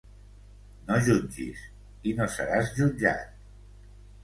No jutgis, i no seràs jutjat.